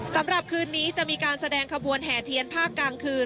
สำหรับคืนนี้จะมีการแสดงขบวนแห่เทียนภาคกลางคืน